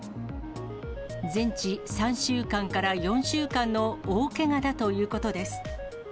全治３週間から４週間の大けがだということです。